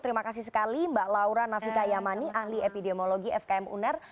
terima kasih sekali mbak laura navika yamani ahli epidemiologi fkm uner